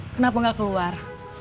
kenapa gak keluar